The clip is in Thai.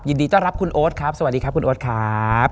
ยินดีต้อนรับคุณโอ๊ตครับสวัสดีครับคุณโอ๊ตครับ